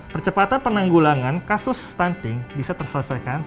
percepatan penanggulangan kasus stunting bisa terselesaikan